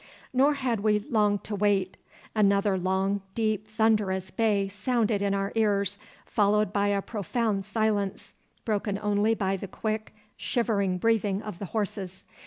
Nor had we long to wait. Another long, deep, thunderous bay sounded in our ears, followed by a profound silence, broken only by the quick shivering breathing of the horses.